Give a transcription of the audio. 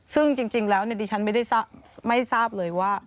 ซึ่งจริงแล้วฉันไม่ทราบเลยว่า